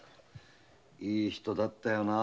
いい人だったよなぁ。